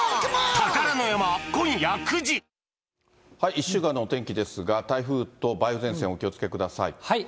１週間のお天気ですが、台風と梅雨前線お気をつけください。